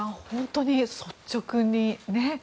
本当に率直にね。